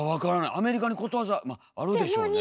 アメリカにことわざまああるでしょうね。